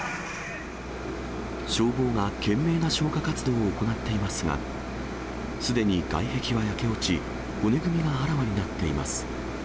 消防が懸命な消火活動を行っていますが、すでに外壁は焼け落ち、骨組みがあらわになっています。